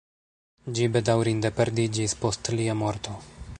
Ĝi bedaŭrinde perdiĝis post lia morto.